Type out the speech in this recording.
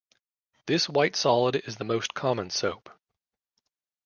This white solid is the most common soap.